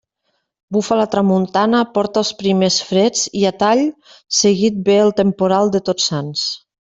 Bufa la tramuntana, porta els primers freds i a tall seguit ve el temporal de Tots Sants.